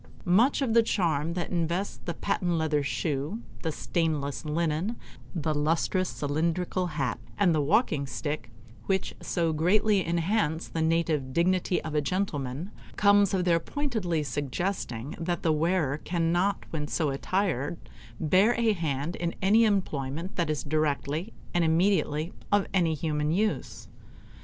Much of the charm that invests the patent leather shoe, the stainless linen, the lustrous cylindrical hat, and the walking stick, which so greatly enhance the native dignity of a gentleman, comes of their pointedly suggesting that the wearer cannot when so attired bear a hand in any employment that is directly and immediately of any human use.